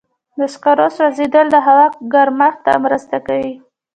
د سکرو سوځېدل د هوا ګرمښت ته مرسته کوي.